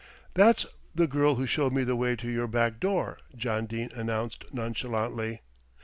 "That's the girl who showed me the way to your back door," John Dene announced nonchalantly.